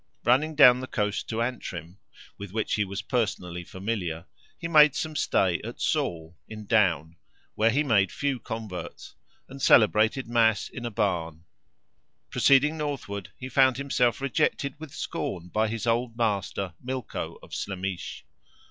Running down the coast to Antrim, with which he was personally familiar, he made some stay at Saul, in Down, where he made few converts, and celebrated Mass in a barn; proceeding northward he found himself rejected with scorn by his old master, Milcho, of Slemish.